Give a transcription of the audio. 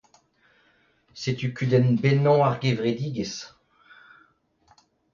Setu kudenn bennañ ar gevredigezh.